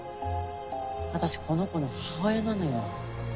私この子の母親なのよ。